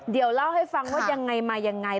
เดี๋ยวเล่าให้ฟังว่ายังไงมายังไง